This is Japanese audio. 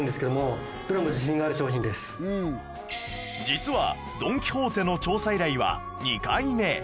実はドン・キホーテの調査依頼は２回目